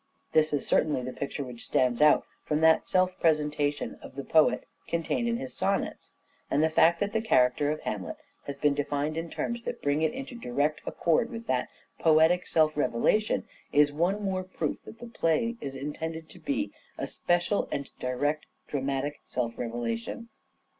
This is certainly the picture which stands out from that self presentation of the poet contained in his sonnets ; and the fact that the character of Hamlet has been denned in terms that bring it into direct accord with that poetic self 462 "SHAKESPEARE" IDENTIFIED revelation, is one more proof that the play is intended to be a special and direct dramatic self revelation.